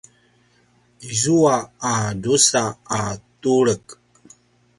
izua a drusa a tulek